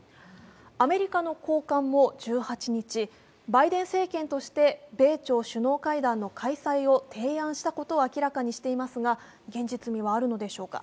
アメリカの高官も１８日、バイデン政権として米朝首脳会談の開催を提案したことを明らかにしたんですが現実味はあるのでしょうか。